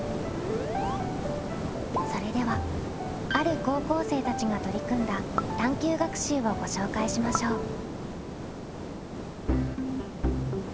それではある高校生たちが取り組んだ探究学習をご紹介しましょう。